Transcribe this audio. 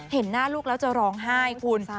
เห็นหน้าลูกแล้วจะร้องไห้คุณ